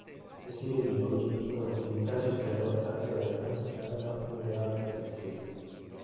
Questi velivoli furono utilizzati sulla rotta della Trans-Canada Montréal-Prestwick.